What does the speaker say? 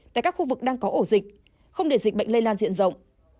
tại các khu vực đang có ổ dịch không để dịch bệnh lây lan diện rộng